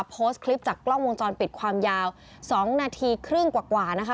โพสต์คลิปจากกล้องวงจรปิดความยาว๒นาทีครึ่งกว่านะคะ